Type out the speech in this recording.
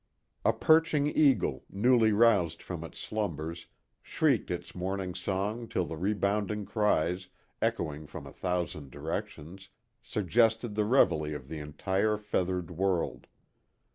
A perching eagle, newly roused from its slumbers, shrieked its morning song till the rebounding cries, echoing from a thousand directions, suggested the reveille of the entire feathered world.